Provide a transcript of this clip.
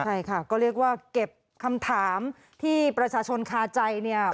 ใช่ค่ะก็เรียกว่าเก็บคำถามที่ประชาชนคาใจเนี่ย